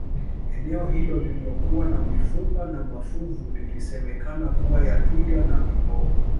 eneo hilo lililokuwa na mifupa na mafuvu ilisemekana kuwa ya twiga na viboko